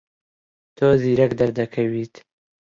تۆ زیرەک دەردەکەویت.